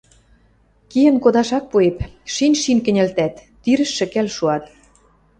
Киэн кодаш ак пуэп, шин-шин кӹньӹлтӓт, тирӹш шӹкӓл шуат.